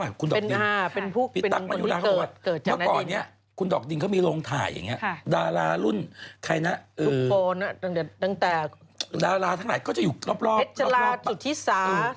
แล้วก่อนเนี่ยคุณดอกดินเค้ามีโรงถ่ายอย่างเนี้ย